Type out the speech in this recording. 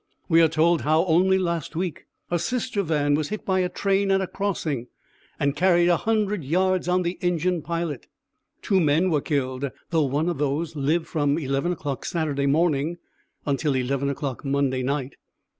We are told how, only last week, a sister van was hit by a train at a crossing and carried a hundred yards on the engine pilot. Two of the men were killed, though one of these lived from eleven o'clock Saturday morning until eleven o'clock Monday night.